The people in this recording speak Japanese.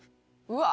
うわ！